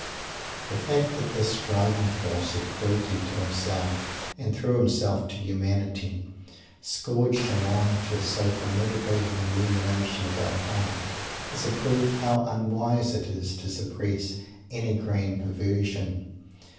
_ The fact that this driving force, of cruelty to himself and, through himself, to humanity, scourged him on to so formidable an illumination of our path, is a proof how unwise it is to suppress any grand perversion.